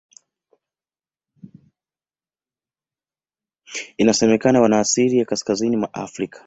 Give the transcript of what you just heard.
Inasemekana wana asili ya Kaskazini mwa Afrika.